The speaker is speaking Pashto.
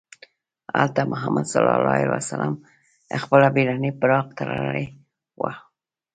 هلته محمد صلی الله علیه وسلم خپله بېړنۍ براق تړلې وه.